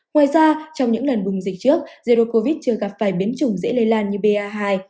ngoài ra trong những lần bùng dịch trước covid một mươi chín chưa gặp vài biến chủng dễ lây lan như ba hai